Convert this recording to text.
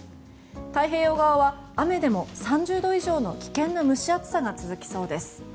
太平洋側は雨でも３０度以上の危険な蒸し暑さが続きそうです。